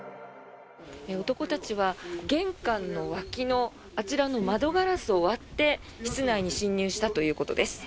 男たちは玄関の脇のあちらの窓ガラスを割って室内に侵入したということです。